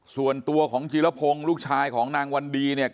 ส่วนตัวของจีรพงศ์ลูกชายของนางวันดีเนี่ย